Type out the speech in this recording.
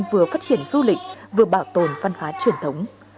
vừa phát triển du lịch vừa bảo tồn văn hóa truyền thống